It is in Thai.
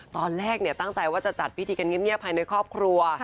ตอนแรกตั้งใจว่าจะจัดพิธีกันเงียบภายในครอบครัว